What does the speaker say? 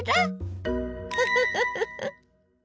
フフフフフ！